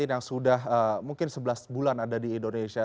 yang sudah mungkin sebelas bulan ada di indonesia